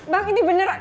bang ini bener